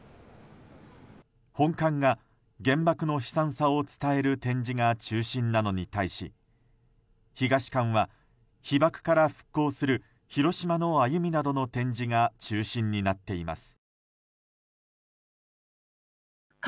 本館が原爆の悲惨さを伝える展示が中心なのに対し東館は被爆から復興する広島の歩みなどの展示が中心になっています。